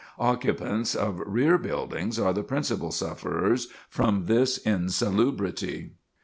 Occupants of rear buildings are the principal sufferers from this insalubrity.